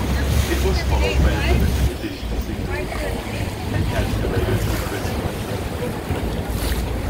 It was followed by a limited-edition single called "An Escalator to Christmas".